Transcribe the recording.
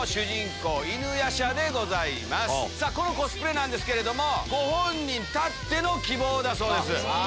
このコスプレなんですけれどもご本人たっての希望だそうです。